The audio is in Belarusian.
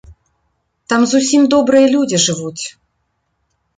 Там зусім добрыя людзі жывуць.